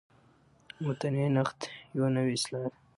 متني نقد یوه نوې اصطلاح ده.